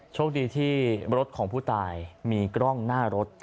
โชคดีที่รถของผู้ตายมีกล้องหน้ารถ